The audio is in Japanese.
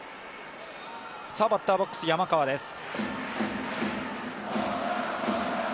バッターボックス、山川です。